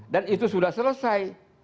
dan itu sudah selesai